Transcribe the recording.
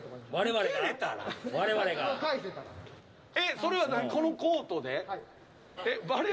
それはこのコートで？